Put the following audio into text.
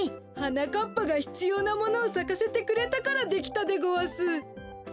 はなかっぱがひつようなものをさかせてくれたからできたでごわす。